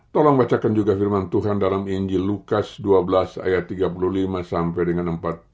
tolong bacakan juga firman tuhan dalam injil lukas dua belas ayat tiga puluh lima sampai dengan empat puluh